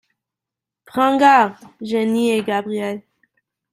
Prends garde ! jenny et GABRIELLE.